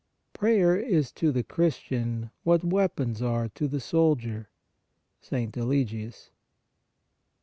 Prayer is to the Christian what weapons are to the soldier (St. Eligius).